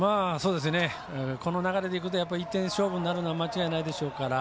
この流れでいくと１点勝負になるのは間違いないでしょうから。